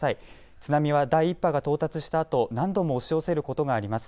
津波は第１波が到達したあと何度も押し寄せることがあります。